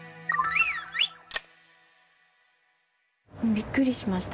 びっくりしました。